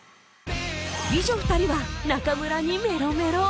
美女２人は中村にメロメロ